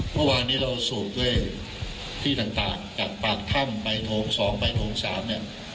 เมื่อวานนี้เราสูบด้วยที่ต่างจากปากถ้ำไปโถง๒ใบโถง๓เนี่ย